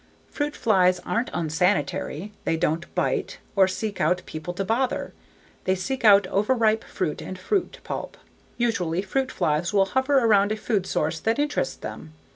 Fruit flies aren't unsanitary, they don't bite or seek out people to bother. They seek out over ripe fruit and fruit pulp. Usually, fruit flies will hover around the food source that interests them.